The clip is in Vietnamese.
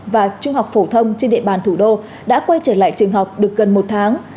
và trung học phổ thông trên địa bàn thủ đô đã quay trở lại trường học được gần một tháng